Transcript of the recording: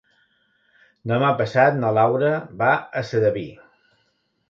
Demà passat na Laura va a Sedaví.